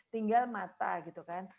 tinggal mata gitu kan